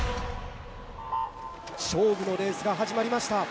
勝負のレースが始まりました。